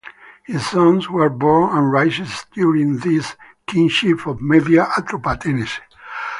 His sons were born and raised during his Kingship of Media Atropatene.